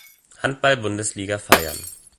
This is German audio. Handball-Bundesliga feiern.